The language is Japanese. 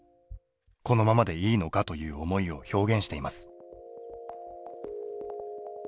「このままでいいのか」という思いを表現しています。